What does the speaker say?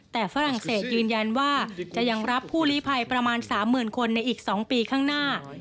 แต่ฝรั่งเศสยืนยันว่าจะยังรับผู้ลีภัยประมาณ๓๐๐๐คนในอีก๒ปีข้างหน้า